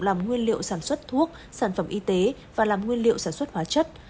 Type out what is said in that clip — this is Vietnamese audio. làm nguyên liệu sản xuất thuốc sản phẩm y tế và làm nguyên liệu sản xuất hóa chất